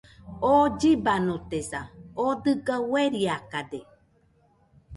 oo llibanotesa, oo dɨga ueriakade